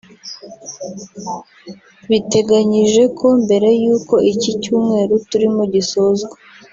Biteganyije ko mbere y'uko iki Cyumweru turimo gisozwa